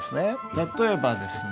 例えばですね